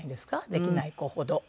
できない子ほど。